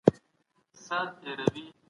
سياسي پرېکړې د ډېرو خلګو پر ژوند نېغ اغېز کوي.